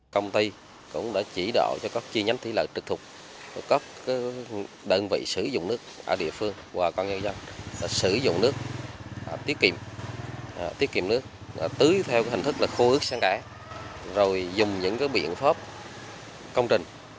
công ty cũng đã chỉ đạo cho các chi nhánh thí lợi trực thuộc các đơn vị sử dụng nước ở địa phương và các nhân dân sử dụng nước tiết kiệm tiết kiệm nước tưới theo hình thức khô ướt sáng cải rồi dùng những biện pháp công trình